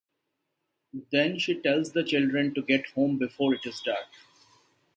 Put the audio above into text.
Then she tells the children to get home before it is dark.